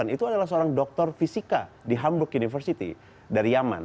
itu adalah seorang doktor fisika di hamburg university dari yaman